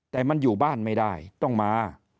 แต่มันอยู่บ้านไม่ได้ต้องมา